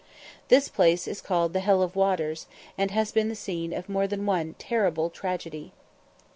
This place is called "The Hell of Waters," and has been the scene of more than one terrible tragedy.